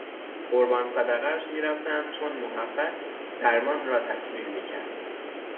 قربان صدقهاش میرفتم چون محبت درمان را تکمیل میکرد